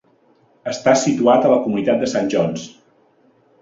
Està situat a la comunitat de St. Johns.